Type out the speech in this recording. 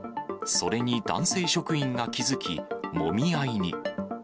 それに男性職員が気付き、もみ合いに。